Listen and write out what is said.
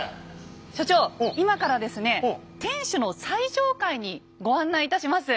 所長今からですね天守の最上階にご案内いたします。